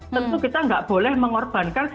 tentu kita tidak boleh mengorbankannya